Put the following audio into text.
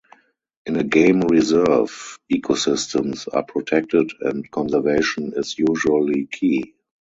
In a game reserve, ecosystems are protected and conservation is usually key.